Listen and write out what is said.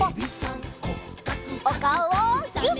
おかおをギュッ！